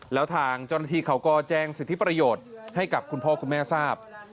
แล้วทางเจ้าหน้าที่เขาก็แจ้งสิทธิประโยชน์ให้กับคุณพ่อคุณแม่ทราบ